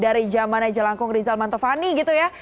dari jaman aja jelangkung rizal mantovani gitu ya